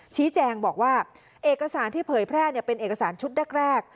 ชี้แจงบอกว่าเอกสารที่เผยแพร่เป็นเอกสารชุดแรก